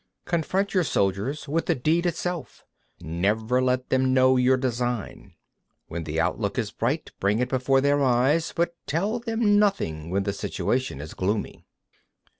57. Confront your soldiers with the deed itself; never let them know your design. When the outlook is bright, bring it before their eyes; but tell them nothing when the situation is gloomy.